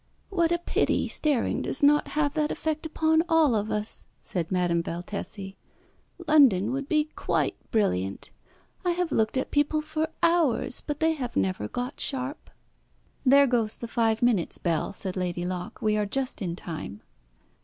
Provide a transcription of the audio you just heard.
"What a pity staring does not have that effect upon all of us," said Madame Valtesi. "London would be quite brilliant. I have looked at people for hours, but they have never got sharp." "There goes the five minutes' bell," said Lady Locke; "we are just in time."